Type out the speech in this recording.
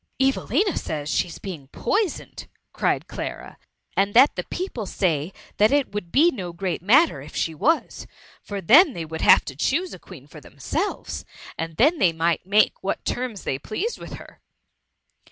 ''^' Evelina says she^s being poisoned,^ cried Clara, '* and that the people say that it would be no great matter if she was, for then they would have to choose a Queen for themselves, and they might make what terms they pleased with her."